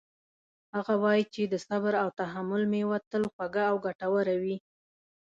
هغه وایي چې د صبر او تحمل میوه تل خوږه او ګټوره وي